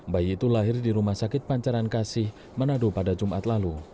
bayi itu lahir di rumah sakit pancaran kasih manado pada jumat lalu